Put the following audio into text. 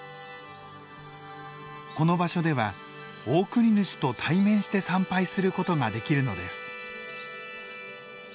この場所ではオオクニヌシと対面して参拝することができるのです。